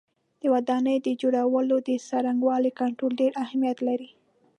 د ودانیو د جوړولو د څرنګوالي کنټرول ډېر اهمیت لري.